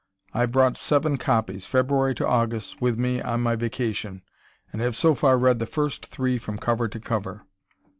I brought seven copies February to August with me on my vacation, and have so far read the first three from cover to cover.